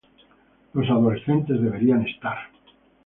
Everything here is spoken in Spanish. los adolescentes deberían estar